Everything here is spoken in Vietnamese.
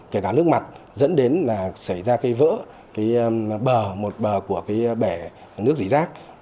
kể cả nước mặt dẫn đến xảy ra vỡ bờ một bờ của bẻ nước dị rác